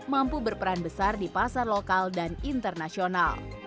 mampu berperan besar di pasar lokal dan internasional